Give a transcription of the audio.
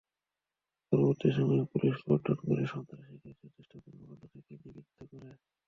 পরবর্তী সময়ে police cordon করে সন্ত্রাসীদের যথেচ্ছ কর্মকাণ্ড থেকে নির্বৃত্ত করে।